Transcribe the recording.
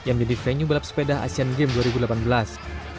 yang menjadi venue balap sepeda asian games dua ribu delapan belas